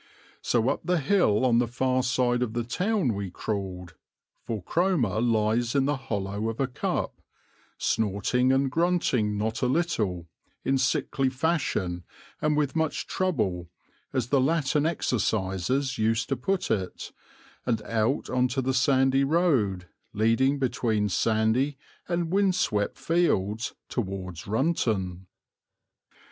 So up the hill on the far side of the town we crawled for Cromer lies in the hollow of a cup snorting and grunting not a little, in sickly fashion and with much trouble, as the Latin exercises used to put it, and out on to the sandy road, leading between sandy and wind swept fields, towards Runton.